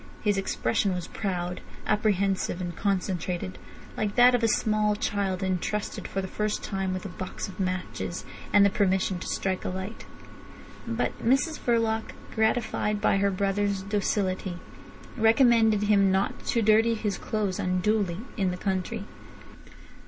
His expression was proud, apprehensive, and concentrated, like that of a small child entrusted for the first time with a box of matches and the permission to strike a light. But Mrs Verloc, gratified by her brother's docility, recommended him not to dirty his clothes unduly in the country.